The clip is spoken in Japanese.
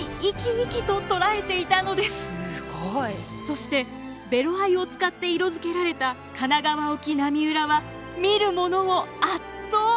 そしてベロ藍を使って色づけられた「神奈川沖浪裏」は見る者を圧倒。